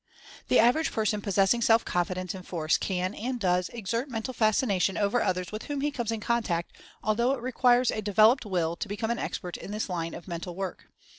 The average person possessing self confidence and force can, and does, exert Mental Fascination over others with whom he comes in contact, although it requires a developed Will to become an expert in this line of mental work.